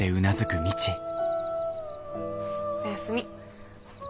おやすみ。